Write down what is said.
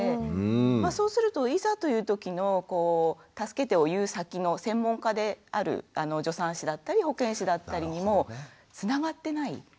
そうするといざというときの助けてを言う先の専門家である助産師だったり保健師だったりにもつながってない。